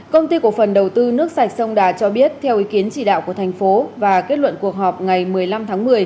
công ty cổ phần đầu tư nước sạch sông đà cho biết theo ý kiến chỉ đạo của thành phố và kết luận cuộc họp ngày một mươi năm tháng một mươi